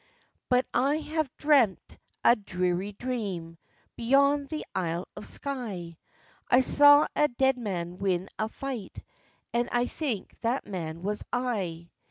"But I have dream'd a dreary dream, Beyond the Isle of Sky; I saw a dead man win a fight, And I think that man was I."